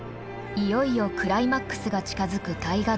いよいよクライマックスが近づく大河ドラマ